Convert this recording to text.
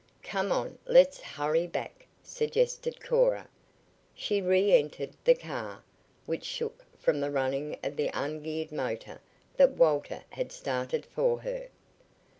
"Come on; let's hurry back," suggested Cora. She re entered the car, which shook from the running of the ungeared motor that Walter had started for her.